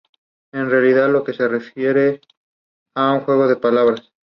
Este diseño podría albergar seis tanque de combustible en las alas.